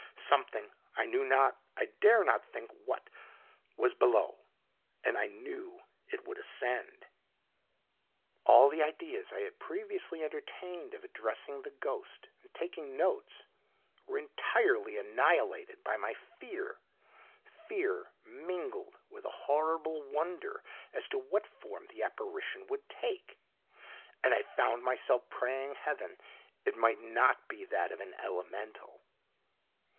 Something, I knew not, I dare not think what, was below, and I KNEW it would ascend. All the ideas I had previously entertained of addressing the ghost and taking notes were entirely annihilated by my fear fear mingled with a horrible wonder as to what form the apparition would take, and I found myself praying Heaven it might not be that of an ELEMENTAL.